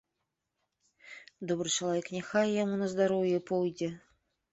Добры чалавек, няхай яму на здароўе пойдзе.